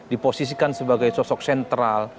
diposisikan sebagai sosok sentral